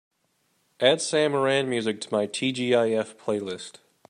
Add Sam Moran music to my tgif playlist